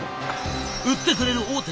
売ってくれる大手